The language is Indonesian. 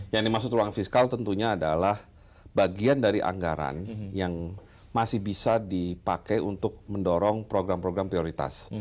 yang dimaksud ruang fiskal tentunya adalah bagian dari anggaran yang masih bisa dipakai untuk mendorong program program prioritas